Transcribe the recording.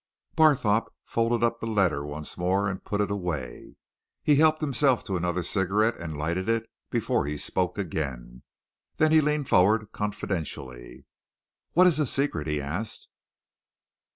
Barthorpe folded up the letter once more and put it away. He helped himself to another cigarette and lighted it before he spoke again. Then he leaned forward confidentially. "What is the secret?" he asked.